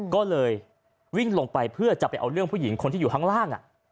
ก็เลยวิ่งลงไปเพื่อจะไปเอาเรื่องผู้หญิงคนที่อยู่ข้างล่าง